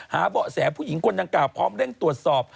เบาะแสผู้หญิงคนดังกล่าวพร้อมเร่งตรวจสอบ